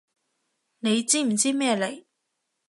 你知唔知咩嚟？